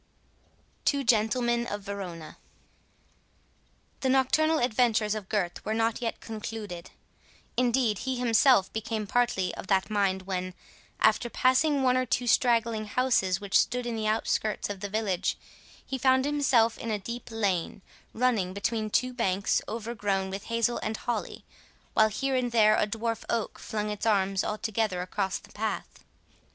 TWO GENTLEMEN OF VERONA The nocturnal adventures of Gurth were not yet concluded; indeed he himself became partly of that mind, when, after passing one or two straggling houses which stood in the outskirts of the village, he found himself in a deep lane, running between two banks overgrown with hazel and holly, while here and there a dwarf oak flung its arms altogether across the path.